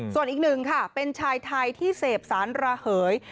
ส่วนอีกหนึ่งค่ะเป็นชายไทยที่เสพสารระเหย